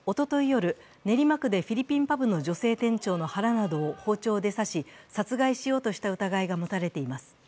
夜、練馬区でフィリピンパブの女性店長の腹などを包丁で刺し、殺害しようとした疑いが持たれています。